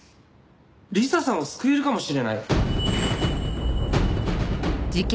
理彩さんを救えるかもしれない？